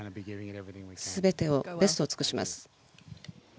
すべてをベストを尽くします。